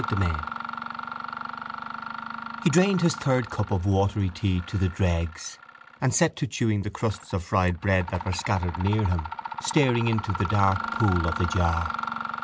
Chapter V He drained his third cup of watery tea to the dregs and set to chewing the crusts of fried bread that were scattered near him, staring into the dark pool of the jar.